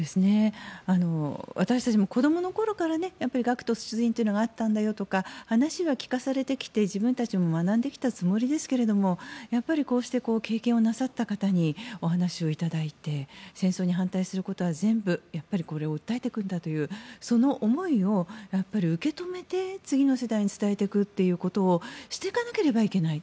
私たちも子どもの頃から学徒出陣というのがあったんだよとか話は聞かされてきて、自分たちも学んできたつもりですけれどもやっぱり、こうして経験をなさった方にお話を頂いて戦争に反対することは全部やっぱりこれを訴えていくんだというその思いを受け止めて次の世代に伝えていくということをしていかなくてはいけない。